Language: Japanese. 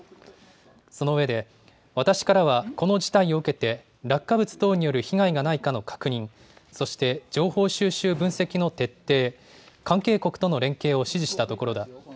そのうえで私からはこの事態を受けて落下物等による被害がないかの確認、そして情報収集分析の徹底、関係国との連携を指示したところだ。